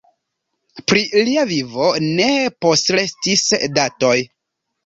Pri lia vivo ne postrestis datoj.